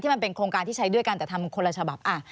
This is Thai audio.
มันเป็นโครงการที่ใช้ด้วยกันแต่ทำคนละฉบับ